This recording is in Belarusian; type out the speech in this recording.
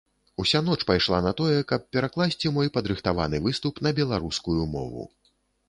Уся ноч пайшла на тое, каб перакласці мой падрыхтаваны выступ на беларускую мову.